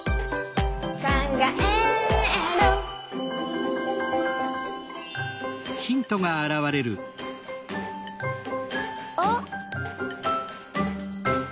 「かんがえる」あっ！